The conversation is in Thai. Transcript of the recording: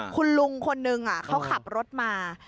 คุณลุงคนนึงเขาขับรถมา